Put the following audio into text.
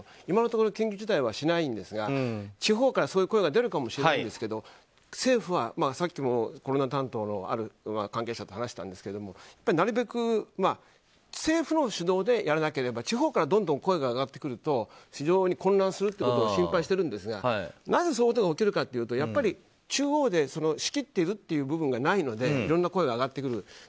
いまのところ緊急事態はしないんですが地方からそういう声は出るかもしれないですが政府は、さっきもコロナ担当のある関係者と話したんですけどなるべく政府の主導でやらなければ地方からどんどん声が上がっていくと非常に混乱すると心配しているんですがなぜそういうことが起きるかというとやっぱり、中央でそれを仕切っているという部分がないのでいろんな声が上がってくる。